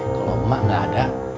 kalo emak gak ada